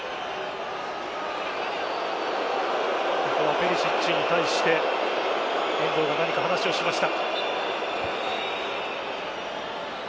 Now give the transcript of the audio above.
ペリシッチに対して遠藤が何か話をしました。